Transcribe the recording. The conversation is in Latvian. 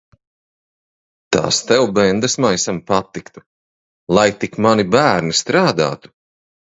Tas tev, bendesmaisam, patiktu. Lai tik mani bērni strādātu.